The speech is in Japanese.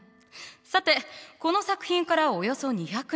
さてこの作品からおよそ２００年。